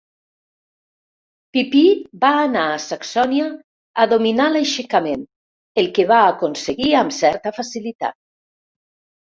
Pipí va anar a Saxònia a dominar l'aixecament el que va aconseguir amb certa facilitat.